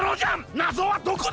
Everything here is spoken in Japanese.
なぞはどこだ！？